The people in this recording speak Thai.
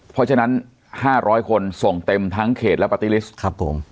เพราะฉะนั้น๕๐๐คนส่งเต็มทั้งเขตและปาร์ตี้ลิสต์ครับผม